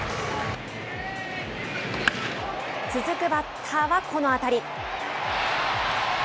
続くバッターはこの当たり。